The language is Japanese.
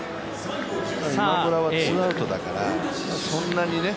今村はツーアウトだからそんなにね